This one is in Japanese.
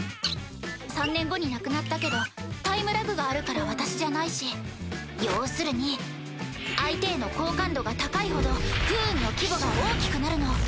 ３年後に亡くなったけどタイムラグがあるから私じゃないし要するに相手への好感度が高いほど不運の規模が大きくなるの。